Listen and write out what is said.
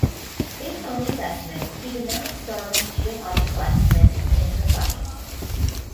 Based on these estimates he denounced Darwin's geological estimates as imprecise.